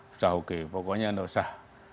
sudah oke pokoknya tidak usah